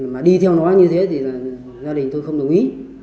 mà đi theo nó như thế thì là gia đình tôi không đồng ý